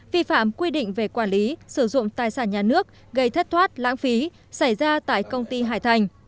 vi phạm quy định về quản lý sử dụng tài sản nhà nước gây thất thoát lãng phí xảy ra tại công ty hải thành